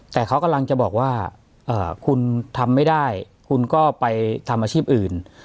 แต่เขากำลังจะบอกว่าคุณทำไม่ได้คุณก็ไปทำอาชีพอื่น